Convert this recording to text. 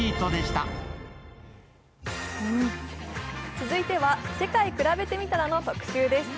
続いては「世界くらべてみたら」の特集です。